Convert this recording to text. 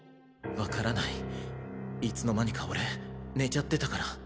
わからないいつの間にか俺寝ちゃってたから。